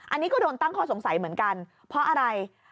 อันนี้ก็โดนตั้งข้อสงสัยเหมือนกันเพราะอะไร